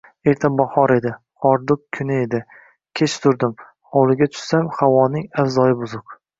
Erta bahor edi. Hordiq kuni edi. Kech turdim. Hovliga tushsam, havoning avzoyi buzuq.